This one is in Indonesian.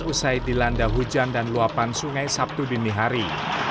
usai dilanda hujan dan luapan sungai sabtu dini hari